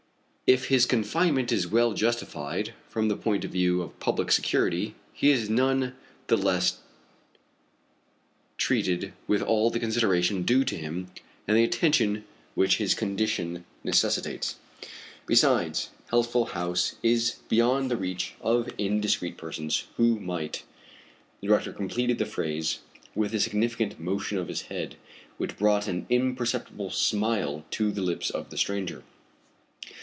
If his confinement is well justified from the point of view of public security he is none the less treated with all the consideration due to him and the attention which his condition necessitates. Besides, Healthful House is beyond the reach of indiscreet persons who might...." The director completed the phrase with a significant motion of his head which brought an imperceptible smile to the lips of the stranger.